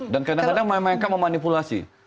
dan kadang kadang mereka memanipulasi